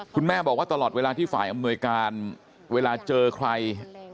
คุณแม่บอกว่าตลอดเวลาที่ฝ่ายอำนวยการเวลาเจอใคร